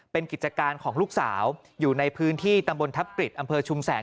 เป็นกิจการของลูกสาวอยู่ในพื้นที่ตำบลทัพกฤษอำเภอชุมแสง